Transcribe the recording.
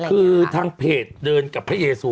คือทางเพจเดินกับพระเยซู